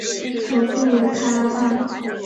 首府为卡拉潘。